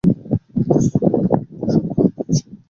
ইতস্তত খট খট করিয়া শব্দ হইতেছে।